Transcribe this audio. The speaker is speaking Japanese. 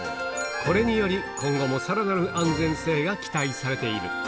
これにより、今後もさらなる安全性が期待されている。